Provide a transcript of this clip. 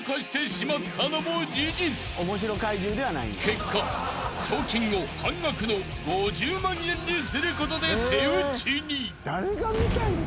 ［結果賞金を半額の５０万円にすることで手打ちに］